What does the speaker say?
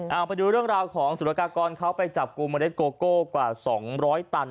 เอาไปดูเรื่องราวของสุรกากรเขาไปจับกลุ่มเมล็ดโกโก้กว่า๒๐๐ตัน